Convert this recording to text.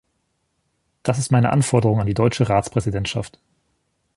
Das ist meine Anforderung an die deutsche Ratspräsidentschaft.